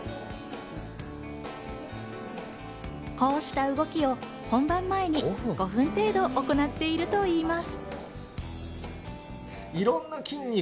こうした動きを本番前に５分程度、行っているといいます。